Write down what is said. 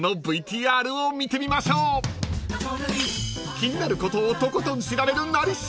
［気になることをとことん調べる「なり調」］